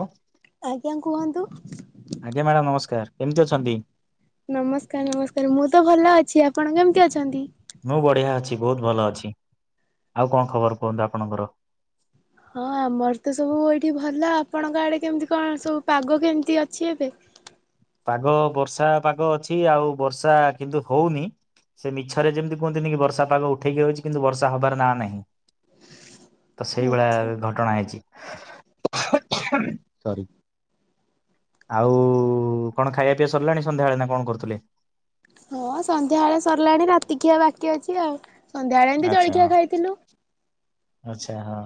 ଓ ଆଜ୍ଞା କୁହନ୍ତୁ, ଆଜ୍ଞା ମ୍ୟାଡ଼ାମ ନମସ୍କାର କେମିତି ଅଛନ୍ତି? ନମସ୍କାର ନମସ୍କାର ମୁଁ ତ ଭଲ ଅଛି। ଆପଣ କେମିତି ଅଛନ୍ତି? ମୁଁ ବଢିଆ ଅଛି ବହୁତ ଭଲ ଅଛି ଆଉ କଣ ଖବର କୁହନ୍ତୁ ଆପଣଙ୍କର ହଁ ଆମର ତ ସବୁ ଏଇଠି ଭଲ ଆପଣଙ୍କ ଆଡେ କେମିତି କଣ ସବୁ ପାଗ କେମିତି ଅଛି ଏବେ। ପାଗ ବର୍ଷା ପାଗ ଅଛି ଆଉ ବର୍ଷା କିନ୍ତୁ ହଉନି ସେ ମିଛରେ ଯେମିତି କୁହନ୍ତିନି କି ବର୍ଷା ପାଗ ଉଠେଇକି ହଉଛି କିନ୍ତୁ ବର୍ଷା ହବାର ନାଁ ନାହିଁ। ତ ସେଇଭଳିଆ ଆଚ୍ଛା ଘଟଣା ହେଇଛି। ଆଉ କଣ ଖାଇବା ପିଇ ସିଲାଣି ସନ୍ଧ୍ୟାବେଳେ ନା କଣ କରୁଥିଲେ? ହଁ ସନ୍ଧ୍ୟା ବଳେ ସରିଲାଣି ରାତି ଖିଆ ବାକି ଅଛି ଆଉ। ସନ୍ଧ୍ୟାଳେ ଏମିତି ଜଳଖିଆ ଖାଇଥିଲୁ। ଆଛା ହଁ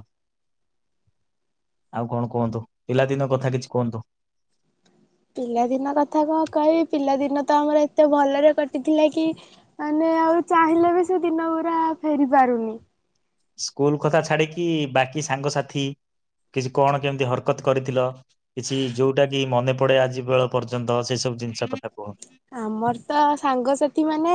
ଆଉ କଣ କୁହନ୍ତୁ ପିଲାଦିନଙ୍କ କଥା କିଛି କୁହନ୍ତୁ। ପିଲାଦିନ କଥା କଣ କହିବି ପିଲାଦିନ ତ ଆମର ଏତେ ଭଲରେ କଟିଥିଲା କି ମାନେ ଆଉ ଚାହିଁଲେ ବି ସେ ଦିନ ପୁରା ଫେରି ପାରୁନି। ସ୍କୁଲ କଥା ଛାଡିକି ବାକି ସାଙ୍ଗସାଥି କିଛି କଣ କେମିତି ହରକତ କରିଥିଲ କିଛି ଯୋଉଟା କି ମନେ ପଡେ ଆଜି ବେଳ ପର୍ଯ୍ୟନ୍ତ ସେ ସବୁ ଜିନିଷ କଥା। କୁହ ଆମର ତ ସାଙ୍ଗସାଥି ମାନେ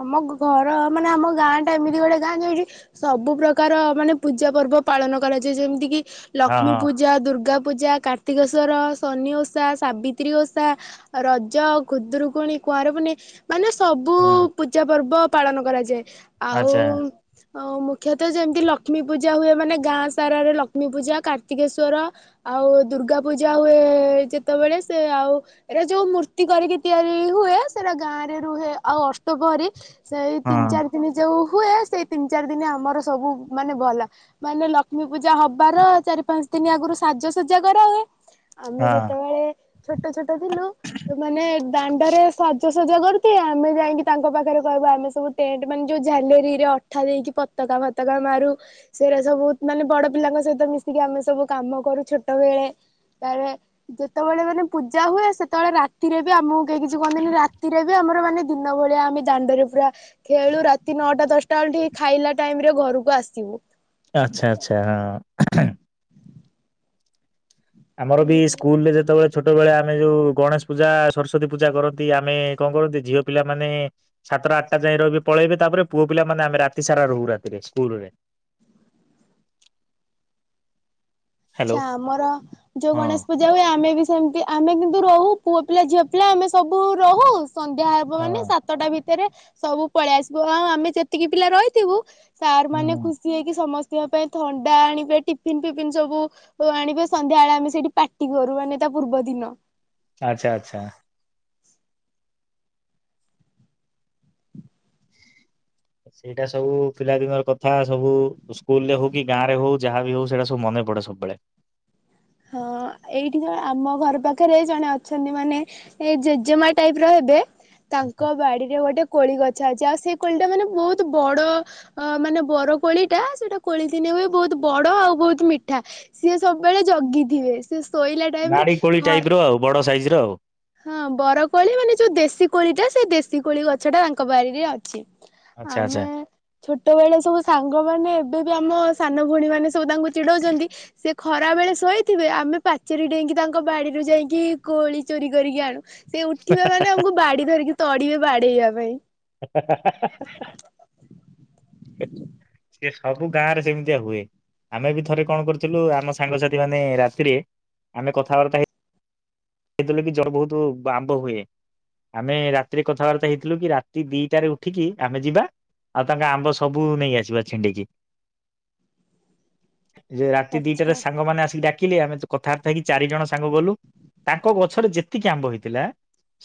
ଆମ ଘର ମାନେ ଆମ ଗାଁ ଟା ଏମିତି ଗୋଟେ ଗାଁ ଯୋଉଠି ସବୁ ପ୍ରକାର ମାନେ ପୂଜା ପର୍ବ ପାଳନ କରାଯାଏ ଯେମିତି କିି ହଁ ଲକ୍ଷ୍ମୀ ହଁ। ପୂଜା ଦୁର୍ଗା ପୂଜା କାର୍ତ୍ତିକେଶ୍ୱର ଶନି ଓଷା ସାବିତ୍ରୀ ଓଷା ରଜ ଖୁଦରୁ କୁଣି କୁଆଁର ପୁନେଇଁ ମାନେ ସବୁ ହୁଁ ପୂଜା ପର୍ବ ପାଳନ କରାଯାଏ। ଆଚ୍ଛା ଆଉ ହ ମୁଖ୍ୟତଃ ଯେମିତି ଲକ୍ଷ୍ମୀ ପୂଜା ହୁଏ ମାନେ ଗାଁ ସାରରେ ଲକ୍ଷ୍ମୀ ପୂଜା କାର୍ତ୍ତିକେଶ୍ଵର ଆଉ ଦୁର୍ଗା ପୂଜା ହୁଏ ଯେତେବେଳେ ସେ ଆଉ ଏରା ଯୋଉ ମୂର୍ତ୍ତି କରିକି ତିଆରି ରି ହୁଏ ସେଟା ଗାଁ ରେ ରୁହେ ଆଉ ଅଷ୍ଟପହରୀ ସେଇ ହଁ ତିନି ଚାରି ଦିନି ଯୋଉ ହୁଏ ସେଇ ତିନି ଚାରି ଦିନ ଆମର ସବୁ ମାନେ ଭଲ ମାନେ ଲକ୍ଷ୍ମୀ ପୂଜା ହବାର ଚାରି ପାଞ୍ଚ ଦିନ ଆଗରୁ ସାଜସଜା କରାହୁଏ। ଆମେ ହଁ ଯେତେବେଳେ ଛୋଟ ଛୋଟ ଥିଲୁ ମାନେ ଦାଣ୍ଡରେ ସ ଜସଜା କରୁଥିବେ ଆମେ ଯାଇକି ତାଙ୍କ ପାଖରେ କହିବା ଆମେ ସବୁ ଟେଣ୍ଟ ମାନେ ଯୋଉ ଝାଲେରୀରେ ଅଠା ଦେଇକି ପତକା ଫତକା ମାରୁ ସେରା ସବୁ ମାନେ ବଡ ପିଲାଙ୍କ ସହିତ ମିଶିକି ଆମେ ସବୁ କାମ କରୁ ଛୋଟ ବେଳେ ତାପରେ ଯେତେବେଳେ ମାନେ ପୂଜା ହୁଏ ସେତେବେଳେ ରାତିରେ ବି ଆମକୁ କିିଛି କୁହନ୍ତିନି ରାତିରେ ବି ଆମର ମାନେ ଦିନ ଭଳିଆ ଆମେ ଦାଣ୍ଡରେ ପୁରା ଖେଳୁ ରାତି ନଅଟା ଦଶଟା ବେଳୁ ଟିକେ ଖାଇଲା ଟାଇମରେ ଘରକୁ ଆସିବୁ। ଆଛା ଆଛା ହଁ। ଆମର ବି ଏମିତି ସ୍କୁଲରେ ଯେତବେଳେ ଛୋଟବେେଳେ ଆମେ ଯୋଉ ଗଣେଶ ପୂଜା ସରସ୍ଵତୀ ପୂଜା କରନ୍ତି ଆମେ କଣ କରନ୍ତି ଝିଅ ପିଲାମାନୋନେ ସାତଟା ଆଠଟା ଯାଏ ରହିବେ ପଳେଇବେ ତାପରେ ପୁଅ ପିଲାମାନୋନେ ଆମେ ରାତି ସାରା ରହୁ ରାତିରେ ସ୍କୁଲରେ। ହ୍ୟାଲୋ ଛା ଆମର ଯୋଉ ହଁ ଗଣେଶ ପୂଜା ହୁଏ ଆମେ ବି ସେମତି ଆମେ କିନ୍ତୁ ରହୁ ପୁଅ ପିଲା ଝିଅ ପିଲା ଆମେ ସବୁ ରହୁ। ସନ୍ଧ୍ୟା ହେବ ହଁ ମାନେ ସାତଟା ଭି ଭିତରେ ସବୁ ପଳେଇ ଆସିବୁ ଆଉ ଆମେ ଯେତିକି ପିଲା ରହିଥିବୁ ସାର୍ ମାନେ ହୁଁ ଖୁସି ହେଇକି ସମସ୍ତ ପିଇବା ପାଇଁ ଥଣ୍ଡା ଆଣିବେ ଟିଫିନ ଫିଫିନ ସବୁ ଓ ଆଣିବେ ସନ୍ଧ୍ୟାବେଳେ ଆମେ ସେଇଠି ପାଟି କରୁ ମାନେ ତା ପୂର୍ବ ଦିନ। ଆଛା ଆଛା। ସେଇଟା ସବୁ ପିଲାଦିନର କଥା ସବୁ ସ୍କୁଲ ରେ ହଉ କି ଗାଁ ରେ ହଉ ଯାହାବି ହଉ ସେଇଟା ସବୁ ମନେ ପଡେ ସବୁବେଳେ। ହଁ ଏଇଠିଣ ଆମ ଘର ପାଖରେ ଜଣେ ଅଛନ୍ତି ମାନେ ଏ ଜେଜେମା ଟାଇପ ର ହେବେ ତାଙ୍କ ବାଡିରେ ଗୋଟେ କୋଳି ଗ ଛା ଆଛା ଆଉ ସେ କୋଳିଟା ମାନେ ବହୁତ ବଡ ମାନେ ବର କୋଳିଟା ସେଟା କୋଳି ଦିନେ ହୁଏ ବହୁତ ବଡ ଆଉ ବହୁତ ମିଠା ସିଏ ସବୁବେଳେ ଜଗିଥିବେ ସି ନାଡି କୋଳି ଟାଇପ ର ଆଉ ବଡ ସାଇଜ ର ଆଉ। ହଁ ବରକୋଳି ମାନେ ଯୋଉ ଦେଶୀ କୋଳି ଟା ସେ ଦେଶୀ କୋଳି ଗଛ ଟା ତାଙ୍କ ବାରିରେ ଅଛି। ଆଚ୍ଛା ଆଚ୍ଛା। ଆମେ ଛୋଟବେଳେ ସବୁ ସାଙ୍ଗ ମାନେ ଏବେ ବି ଆମ। ସାନ ଭଉଣୀମାନେ ସବୁ ତାଙ୍କୁ ଚିଡ଼ଉଛନ୍ତି ସେ ଖରାବେଳେ ଶୋଇଥିବେ ଆମେ ପାଚେରି ଡେଇଁକି ତାଙ୍କ ବାଡ଼ିରୁ ଯାଇକି କୋଳି ଚୋରି କରିକି ଆଣୁ। ସେ ଉଠିବା ମାନେ ଆମକୁ ବାଡି ଧରିକି ତଡିବେ ବାଡେଇବା ପାଇଁ। ହା ହା ହା ହା ହା। ସେ ସବୁ ଗାଁ ରେ ସେମିତିଆ ହୁଏ ଆମେ ବି ଥରେ କଣ କରିୁଥିଲୁ ଆମ ସାଙ୍ଗସାଥି ମାନେ-ଏ-ଏ ରାତିରେ ଆମେ କଥାବାର୍ତ୍ତା ହେଇ ହେଇଥିଲୁ କି ଜଳ ବହୁତ ଆମ୍ବ ହୁଏ ଆମେ ରାତିରେ କଥାବାର୍ତ୍ତା ହେଇଥିଲୁ କି ରାତି ଦିଟାରେ ଉଠିକି ଆମେ ଯିବା ଆଉ ତାଙ୍କ ଆମ୍ବ ସବୁ ନେଇ ଆସିବା ଛିଣ୍ଡେଇକି। ଯେ ରାତି ଦିଟାରେ ଆଚ୍ଛା। ସାଙ୍ଗମାନେ ଆସିକି ଡା ଖିଲି ଆମେ କଥାବାର୍ତ୍ତା ହେଇକି ଚାରି ଜଣ ସାଙ୍ଗ ଗଲୁ। ତାଙ୍କ ଗଛରେ ଯେତିକି ଆମ୍ବ ହେଇଥିଲା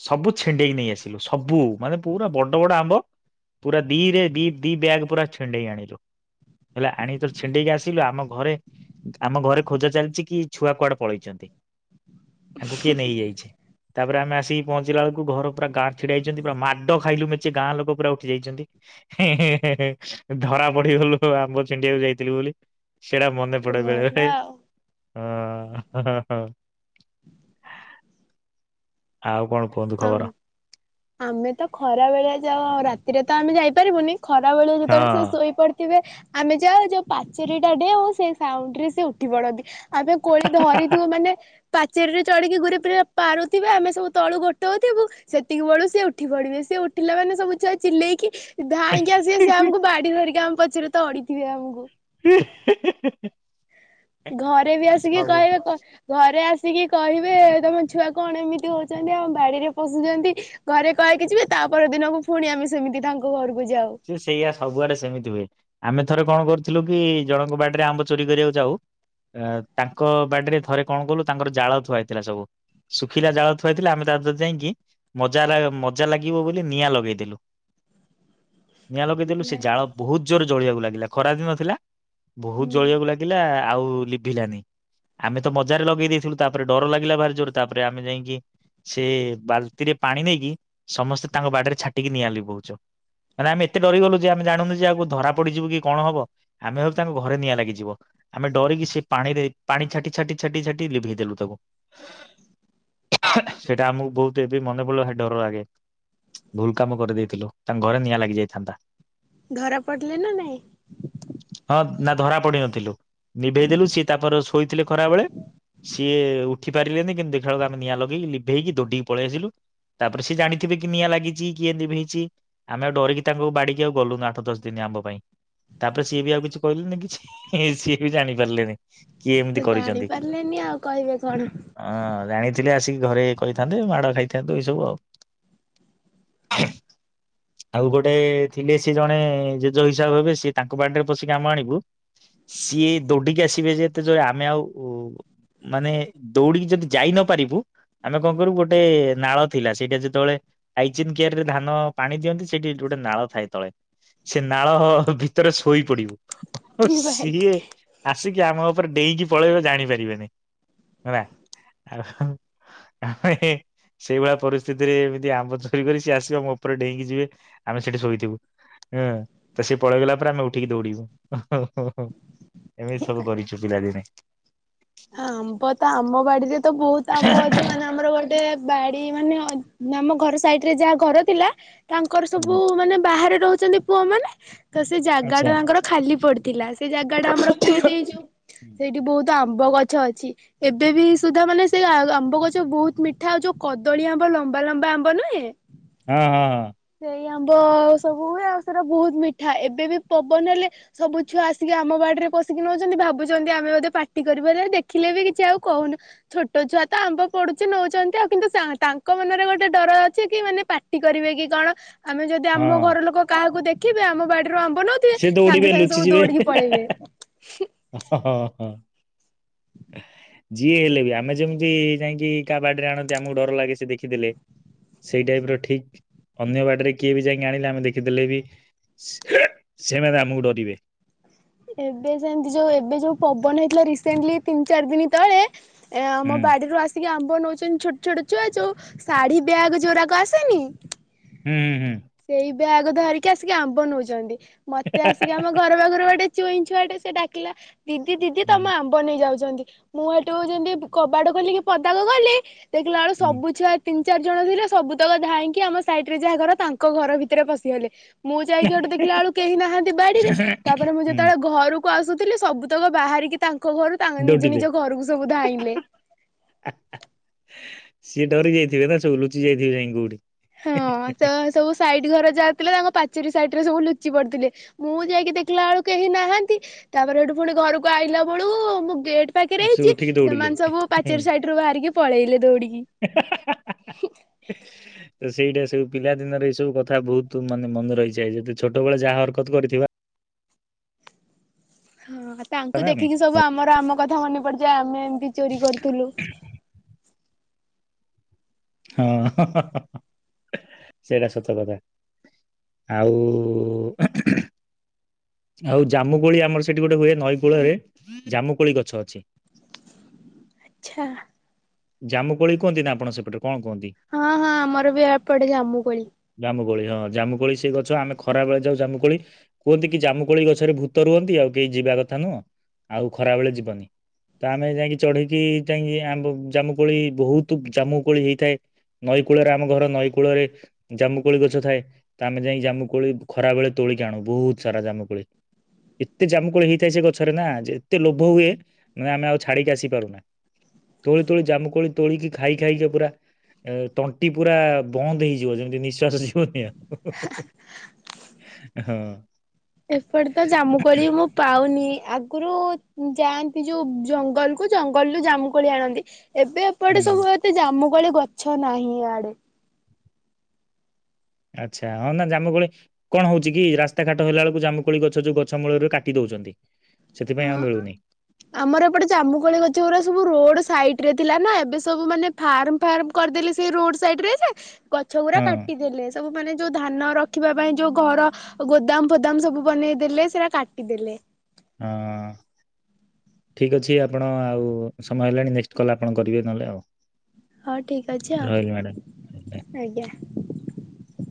ସବୁ ଛିଣ୍ଡେଇକି ନେଇ ଆସିଲୁ ସବୁ ମାନେ ପୁରା ବଡ ବଡ ଆମ୍ବ ପୁରା ଦିରେ ଦି ଦି ବ୍ୟାଗ ପୁରା ଛିଣ୍ଡେଇକି ଆଣିଲୁ ହେଲା ଆଣି ତ ଛିଣ୍ଡେଇକି ଆସିଲୁ ଆମ ଘରେ ଆମ ଘରେ ଖୋଜା ଚାଲିଛି କି ଛୁଆ କୁଆଡେ ପଳେଇଛନ୍ତି। ତାଙ୍କୁ କିଏ ନେଇଯାଇଛି। ତାପରେ ଆମେ ଆସିକି ପହଞ୍ଚିଲା ବେଳକୁ ଘର ପୁରା ଗାଁ ଛିଡା ହେଇଛନ୍ତି ପୁରା ମାଡ଼ ଖାଇଲୁ ମେଚେ ଗାଁ ଲୋକ ପୁରା ଉଠି ଯାଇଛନ୍ତି ହେଁ ହେଁ ହେଁ ହେଁ ଧରା ପଡିଗଲୁ ଆମ୍ବ ଛିଣ୍ଡେଇ ବାକୁ ଯାଇଥିଲୁ ବୋଲି। ସେଟା ମନେ ପଡେ ବେଳେ ଭଲ ବେଳେ। ଆଉ ହଁ ହଁ ହଁ ହଁ। ଆଉ କଣ। କୁହନ୍ତୁ ହଁ ଖବର? ଆମେ ତ ଖରା ବେଳିଆ ଯାଉ ଆଉ ରାତିରେ ତ ଆମେ ଯାଇ ପାରିବୁନି। ଖରା ବେଳିଆ ହଁ। ଯେତେବେଳେ ସେ ଶୋଇ ପଡିଥିବେ। ଆମେ ଯାଉ ଯୋଉ ପାଚେରୀ ଟା ଡେଉଁ ସେଇ ସାଉଣ୍ଡରେ ସେ ଉଠି ପଡନ୍ତି। ଆମେ କୋଳି ଧରିଥିବୁ ମାନେ। ପାଚେରୀରେ ଚଢିକି ଗୁରେ ପୁରା ପାରୁଥିବେ ଆମେ ସବୁ ତଳୁ ଗୋଟେ ଟଉ ଥିବୁ ସେତିକି ବେଳୁ ସେ ସେ ଉଠି ପଡିବେ ସେ ଉଠିଲା ମାନେ ସବୁ ଛୁଆ ଚିଲେଇକି। ଧାଇଁକି ଆସିବେ ସେ ଆମକୁ ବାଡି ଧରିକି ଆମ। ପଛରେ ତଡିଥିବେ ଆମକୁ। ହ ଘରେ ବି ଆସିକି କହିବେ ଘ ଘରେ ଆସ କିି କହିବେ ତମ ଛୁଆ କଣ ଏମିତି ହଉଛନ୍ତି ଆମ ବାଡିରେ ପଶୁଛନ୍ତି ଘରେ କହିକି ଯିବେ ତାପର ଦିନକୁ ପୁଣି ଆମେ ସେମିତି ତାଙ୍କ ଘରକୁ ଯାଉ। ସେ ସେଇଆ ସବୁଆଡେ ସେମିତି ହୁଏ ଆମେ। ଥରେ କଣ କରୁଥିଲୁ କି ଜଣଙ୍କ ବାଡିରେ ଆମ୍ବ ଚୋରି କରିବାକୁ ଯାଉ ଅ ତାଙ୍କ ବାଡିରେ ଥରେ କଣ କଲୁ ତାଙ୍କର ଜାଳ ଥୁଆଇଥିଲା ସବୁ ଶୁଖିଲା ଜାଳ ଥୁଆଇଥିଲା ଆମେ ତା ଦିହ ରୁ ଯାଇକି ମଜା ମଜା ଲାଗିବ ବୋଲି ନିଆଁ ଲଗେଇଦେଲୁ। ନିଆଁ ଲଗେଇଦେଲୁ ସେ ଜାଳ ଭାଇ ବହୁତ ଜୋରେ ଜଳିବାକୁ ଲାଗିଲା। ଖରାଦିନଥିଲା। ବହୁତ ହୁଁ ଜଳିବାକୁ ଲାଗିଲା ଆଉ-ଉ-ଉ। ଲିଭିଲାନି ଆମେ ତ ମଜାରେ ଲଗେଇ ଦେଇଥିଲୁ ତାପରେ ଡର ଲାଗିଲା ବାହାରି ଜୋର ତାପରେ ଆମେ ଯାଇକି ସେ ବାଲ୍ତିରେ ପାଣି ନେଇକି ସମସ୍ତେ ତାଙ୍କ ବାଡିରେ ଛାଟିକି ନିଆ ଲିବହୁଛ। ମାନେ ଆମେ ଏତେ ଡରିଗଲୁ ଯେ ଆମେ ଜାଣୁ ଯେ ଆକୁ ଧରା ପଡିଯିବ କି କଣ ହବ ଆମେ ଭାବି ତାଙ୍କ ଘରେ ନିଆଁ ଲାଗିଯିବ ଆମେ ଡରିକି ସେ ପାଣିରେ ପାଣି ଛାଟି ଛାଟି ଛାଟି ଛାଟି ଲିଭେଇଦେଲୁ ତାକୁ ସେଇଟା ଆମକୁ ବହୁତ ଏବେ ମନେ ପଡ଼ ଡର ଲାଗେ ଭୁଲ କାମ କରିଦେଇଥିଲୁ ତାଙ୍କ ଘରେ ନିଆଁ ଲାଗ ଯାଇଥାନ୍ତା। ଧରା ପଡ଼ିଲ ନା ନାଇଁ। ହଁ ନା ଧରା ପଡି ନଥିଲୁ। ନିଭେଇଦେଲୁ ସିଏ ତାପରେ ଶୋଇଥିଲେ ଖରାବେଳେ ସିଏ ଉଠି ପାରିଲେନି। କେନ୍ ଦେଖାଗଲା ଆମେ ନିଆଁ ଲଗେଇକି ଲିଭେଇକି ଦଡଡିିକ ପଳେଇ ଆସିଲୁ ତାପରେ ସେ ଜାଣିଥିବେ କି ନିଆଁ ଲାଗିଛି କିଏ ଲିଭେଇଛି ଆମେ ଡରିକି ତାଙ୍କୁ ବାଡିକି ଆଉ ଗଲୁନ ଆଠ ଦଶ ଦିନ ଆମ୍ବ ପାଇଁ ତାପରେ ସିଏ ବି ଆଉ କିଛି କହିଲେନି କିଛି ସିଏ ବି ଜାଣି ପାରିଲେନି। କିଏ ଏମିତି ତ ଜାଣି କରିଛନ୍ତି ପାରିଲେନି ଆଉ କହିବେ କଣ ଅଁ ଜାଣିଥିଲେ ଆସିକି ଘରେ କହିଥାନ୍ତେ ମାଡ ଖାଇଥାନ୍ତୁ ଏଇ ସବୁ ଆଉ ଆଉ ଗୋଟେ ଗୋଟେ ଥିଲେ ସେ ଜଣେ ଜେଜ ହିସାବ ହେବେ ସି ତାଙ୍କ ବାଡିରେ ପଶିକି ଆମ ଆଣିବୁ ସିଏ ଦୌଡିକି ଆସିବେ ଯେତେ ଯ ଆମେ ଆଉ ମାନେ ଦୌଡିକି ଯଦି ଯାଇ ନ ପାରିବୁ ଗୋଟେ ନାଳ ଥାଏ ତଳେ ସେ ନାଳ ଭିତରେ ଶୋଇ ପଡିବୁ। ଭାଇ। ସିଏ ଆସିକି ଆମ ଉପରେ ଡେଇଁକି ପଳେଇବ ଜାଣିପାର ଆ ଆମେ ସେଇଭଳିଆ ପରିସ୍ଥିତିରେ ଏମିତି ଆମ୍ବ ଚୋରି କରି ସି ଆସିବ ମୋ ଉପରେ ଡେଇଁକି ଯିବେ ଆମେ ସେଠି ଶୋଇଥିବୁ ହୁଁ ତ ସେ ପଳେଇଗଲା ପରେ ଆମେ ଉଠିକି ଦୌଡିବୁ ଏମିତି ସବୁ କରିଛୁ ପିଲାଦିନେ। ଆମ୍ବ ତ ଆମ ବାଡିରେ ତ ବହୁତ ଆମ୍ବ ଅଛି ମାନେ ଆମର ଗୋଟେ ବାଡି ମାନେ ଆମ ଘର ସାଇଡ ରେ ଯାହା ଘର ଥିଲା ତାଙ୍କର ସବୁ ହୁଁ ମାନେ ବାହାରେ ରହୁଛି ଛନ୍ତି ପୁଅମାନେ ତ ସେ ଜାଗା ଆଚ୍ଛା। ଟା ତାଙ୍କର ଖାଲି ପଡିଥିଲା ସେ ଜାଗା ଟା ଆମର ହୁଁ, କିଣି ଦେଇଛୁ ସେଇଠି ବହୁତ ଆମ୍ବ ବହୁ ଆଛା ଅଛି ଏବେ ବି ସୁଦ୍ଧା ମାନେ ସେ ଆମ୍ବ ଗଛ ବହୁତ ମିଠା ଆଉ ଯୋଉ କଦଳୀ ଆମ୍ବ ଲମ୍ବା ଲମ୍ବା ଆମ୍ବ ନୁହେଁ ହଁ ହଁ ହ ଏଇ ଆମ୍ବ ସବୁ ହୁଏ ଆଉ ସେଟା ବହୁତ ମିଠା ଏବେ ବି ପବନ ହେଲେ ସବୁ ଛୁଆ ଆସିକି ଆମ ବାଡିରେ ପଷିକି ନେଉଛନ୍ତି ଭାବୁଛନ୍ତି ଆମେ ବୋଧେ ପାଟି କରିବୁ ଆରେ ଦେ ଦେଖିଲେ ବି କିଛି ଆଉ କହୁନୁ ଛୋଟ ଛୁଆ ତ ଆମ୍ବ ପଡୁଛି ନେଉଛନ୍ତି। ଆଉ କିନ୍ତୁ ତାଙ୍କ ମନରେ ଗୋଟେ ଡର ଅଛି କି ମାନେ ପାଟି କରିବେ କି କଣ ଆମେ ଯଦି ହଁ ଆମ ଘର ଲୋକ କାହାକୁ ଦେଖ କେବେ ଆମ ବାଡିରେ ଆମ୍ବ ନଉଥିବେ ସେ ଦୌଡିବେ ସାଙ୍ଗେ ସାଙ୍ଗେ ଲୁଚି ସବୁ ଯିବେ। ଦୌଡିକି ପଳେଇବେ। ହଁ ଯିଏ ହେଲେ ବି ଆମେ ଯେମିତି ଯାଇକି କାହା ବାଡିରେ ଆଣନ୍ତି ଆମକୁ ଡର ଲାଗେ ସେ ଦେଖିଦେଲେ ସେଇ ଟାଇପ ର ଠିକ ଅନ୍ୟ ବାଡିରେ କିଏ ବି ଯାଇକି ଆଣିଲେ ଆମେ ଦେଖିଦେଲେ ବି ସେମାନେ ଆମକୁ ଡରିବେ। ଏବେ ସେମିତି ଯୋଉ ଏବେ ଯୋଉ ପବନ ହେଇଥିଲା ରିସେଣ୍ଟଲି ତିନି ଚାରି ଦିନ ତଳେ ଏ ଆମ ହୁଁ ବାଡିରୁୁ ଆସିକି ଆମ ବ ନଉଛନ୍ତି ଛୋଟ ଛୋଟ ଛୁଆ ଯୋଉ ଶାଢୀ ବ୍ୟାଗ ଯୋରାାକୁ ଆସେନି ହୁଁ ହୁଁ ହୁଁ। ସେଇ ବ୍ୟାଗ ଧରିକି ଆସିକି ଆମ୍ବ ନେଉଛନ୍ତି। ମତେ ଆସିକି ଆମ ଘର ପାଖରୁ ଗୋଟେ ଆ ଟେ ସେ ଡାକିଲା ଦିଦି ଦିଦି ତମ ହୁଁ ଆମ୍ବ ନେଇ ଯାଉଛନ୍ତି। ମୁଁ ଏଠୁ ଯେମିତି କବାଡ ଖୋଲି କି ପଦାକୁ ଗଲି ଦେଖିଲା ବେଳେ ହୁଁ ସବୁ ଛୁଆ ତିନ ଚାରି ଜଣ ଥିଲେ ସବୁତକ ଧାଇଁକି ଆମ ସାଇଟ୍ ରେ ଯାହା ଘର ତାଙ୍କ ଘର ଭିତରେ ପଶିଗଲେ ମୁଁ ଯାଇକି ଗୋଟେ ଦେଖିଲା ବେଳୁ କେହି ନାହାନ୍ତି ବାଡିରେ ତାପରେ ମୁଁ ଯା ହୁଁ, ଯେତେବେଳେ ଘରୁକୁ। ଆସୁଥିଲି ସବୁତକ ବାହାରିକି ତାଙ୍କ କହରୁ ତାଙ୍କ ନିଜ ଦୌଡିଲେ। ନିଜ ଘରକୁ ସବୁ ଧାଇଁଲେ ସିଏ ଡରି ଯାଇଥିବେ ନା ସବୁ ଲୁଚି ଯାଇଥିବେ ଯାଇ କଉଠି ହଁ ତ ସବୁ ସାଇଡ ଘର ଯା। ତାଙ୍କ ପାଚେରି ସାଇଟ ରେ ସବୁ ଲୁଚି ପଡିଥିଲେ ମୁଁ ଯାଇକି ଦେଖିଲା ବେଳକୁ କେହି ନାହାନ୍ତି ତାପରେ ସେଠୁ ପୁଣି ଘରକୁ ଆଇଲା ବେଳୁ ମୁଁ ଗ ପାଖରେ ସବୁ ହେଇଛି ଉଠିକି ଦୌଡିଲେ। ସେମାନେ ସବୁ ପାଚେର ସାଇଡ ରୁ ବାହାରିକି। ପଳେଇଲେ ଧୋଉଡ଼ିିକ। ତ [unintelligible] ତ ସେଇଟା ସବୁ ପିଲାଦିନରେ ଏଇ ସବୁ କଥା ବହୁତ ମାନେ ମନେ ରହିଛିାଏ ଯଦି ଛୋଟବେଳେ ଯାହା ହରକତ କରିଥିବା। ହଁ ତାଙ୍କୁ ନା ଆମେ ଦେଖିକି ସବୁ ଆମର ଆମ କଥା ମନେ ପଡି ଜୀବ ଆମେ ଏମିତି ଚୋରି କରୁଥିଲୁ। ହଁ ହା ହା ସେଇଟା ସତ କଥା ଆଉ ଉ ଆଉ ଜାମୁକୋଳି ଆମର ସେଠି ଗୋଟେ ହୁଏ ନଈ କୂଳରେ ଜାମୁକୋଳି ଗଛ ଅଛି। ଆଛା ଜାମୁକୋଳି କୁହନ୍ତି ନା ଆପଣ ସେପଟେ। କଣ କୁହନ୍ତି? ହଁ ହଁ ଆମର ବି ଏପଟେ ଜାମୁ କୋଳି। କୋଳି ହଁ ଜାମୁକୋଳି ସେ ଗଛ ଆମେ ଖରା ବେଳେ ଯାଉ ଜାମୁକୋଳି କୁହନ୍ତି କି ଜାମୁକୋଳି ଗଛରେ ଭୂତ ରୁହନ୍ତି ଆଉ କେହି ଯିବା କଥା ନୁହଁ ଆଉ ଖରା ବେଳେ ଯିବନି ତ ଆମେ ଯାଇକି ଚଢେଇକି ଯାଇକି ଆ ନି। ଜାମୁ କୋଳି ବହୁତ ଜାମୁ କୋଳି ହେଇଥାଏ ନଈ କୂଳରେ ଆମ ଘର ନଈ କୂଳରେ ଜାମୁକୋଳି ଗଛ ଥାଏ ତ ଆମେ ଯାଇ ଜାମୁକୋଳି ଖରା ବେଳେ ତୋଳିକି ଆଣୁ ବହୁତ ସାରା ଜାମୁକୋଳି ଏତେ ଜାମୁକୋଳି ହେଇଥାଏ ସେ ଗଛରେ ନା ଏତେ ଲୋଭ ହୁଏ ମାନେ ଆମେ ଆଉ ଛାଡିକି ଆସିପାରୁନା। ତୋ ଜାମୁକୋଳି ତୋଳିକି ଖାଇ ଖାଇକି ପୁରା ତଣ୍ଟି ପୁରା ବନ୍ଦ ହେଇଯିବ ଯେମିତି ନିଶ୍ଵାସ ଯିବ। ହଁ। ଏପଟେ ତ ଜାମୁକୋଳି ମୁଁ ପାଉନି ଆଗରୁ ଯାଆନ୍ତି ଯୋଉ ଜଙ୍ଗଲ କୁ ଜଙ୍ଗଲରୁୁ ଜାମୁକୋଳି ଆଣନ୍ତି। ଏବେ ଏପଟେ ହୁଁ ସବୁ ଏତେ ଜାମୁ। ସବୁବେଳେ ଗଛ ନାହିଁ ଆଡେ। ଆଚ୍ଛା ହଁ ନା ଜାମୁକୋଳି କଣ ହଉଛି କି ରାସ୍ତାଘାଟ ହେଲା ବେଳକୁ ଜାମୁକୋଳି ଗଛ ଯୋଉ ଗଛ ମୂଳକୁ କାଟି ଦଉଛନ୍ତି। ସେଥିପାଇଁ ଆଉ ହଁ ମିଳୁନି। ଆମର ଏପଟେ ଜାମୁକଳି ଗଛ ଗା ସବୁ ରୋଡ ସାଇଟ। ରେ ଥିଲା ନା ଏବେ ସବୁ ମାନେ ଫାର୍ମ ଫାର୍ମ କରିଦେଲେ ସେ ରୋଡ ସାଇଟ ରେ ଯେ। ଗଛ ଗୁଡା ହଁ କାଟିଦେଲେ ସବୁ ମାନେ। ଯୋଉ ଧାନ ରଖିବା ପାଇଁ ଯୋଉ ଘର ଗୋଦାମ ଫୋଦାମ ସବୁ ବନେଇଦେଲେ ସେଟା କାଟିଦେଲେ। ହଁ ଠିକ ଅଛି ଆପଣ ଆଉ ସମୟ ହେଲାଣି ନେକ୍ସଟ କଲ୍ ଆପଣ କରିବେ ନହେଲେ ଆଉ। ହଁ ଠିକ ଅଛି ରହିଲି ମ୍ୟାଡ଼ାମ। ଆଉ ଆଜ୍ଞା।